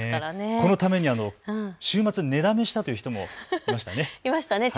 このために週末寝だめしたという人もいましたね。